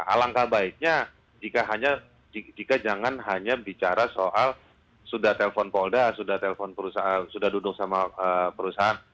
alangkah baiknya jika jangan hanya bicara soal sudah telpon polda sudah duduk sama perusahaan